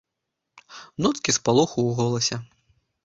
Ноткі спалоху ў голасе.